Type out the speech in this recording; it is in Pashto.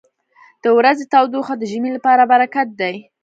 • د ورځې تودوخه د ژمي لپاره برکت دی.